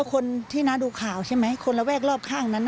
คนที่น้าดูข่าวใช่ไหมคนระแวกรอบข้างนั้น